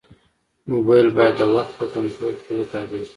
موبایل باید د وخت په کنټرول کې وکارېږي.